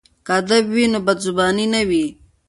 که ادب وي نو بدزباني نه وي.